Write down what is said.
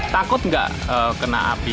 takut nggak kena api